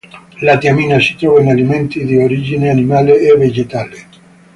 La tiamina si trova in alimenti di origine animale e vegetale.